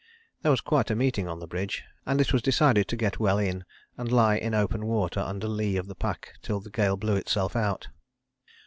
There was quite a meeting on the bridge, and it was decided to get well in, and lie in open water under lee of the pack till the gale blew itself out.